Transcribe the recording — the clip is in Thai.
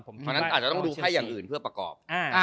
เพราะฉะนั้นอาจจะต้องดูไข้อย่างอื่นเพื่อประกอบ